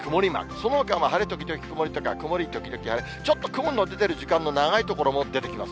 そのほかは晴れ時々曇りとか、曇り時々晴れ、ちょっと雲の出てる時間の長い所も出てきます。